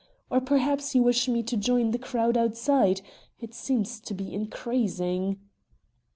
Or perhaps you wish me to join the crowd outside; it seems to be increasing."